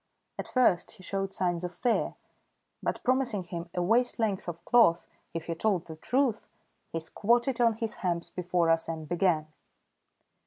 At first he showed signs of fear, but promising him a waist length of cloth if he told the truth, he squatted on his hams before us and began.